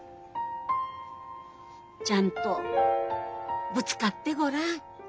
ちゃんとぶつかってごらん。